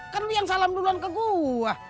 kan yang salam duluan ke gue